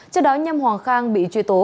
trước đó nhâm hoàng khang bị truyền thông tin